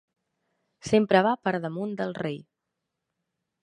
Sempre va per damunt del rei.